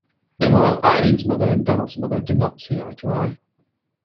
Meanwhile, Irene's mother and Donald's mother do not see eye-to-eye.